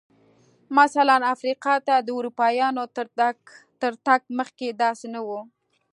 مثلاً افریقا ته د اروپایانو تر تګ مخکې داسې نه و.